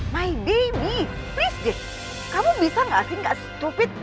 my baby please deh kamu bisa gak sih gak stupid